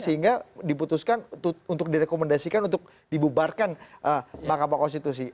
sehingga diputuskan untuk direkomendasikan untuk dibubarkan makam makam konstitusi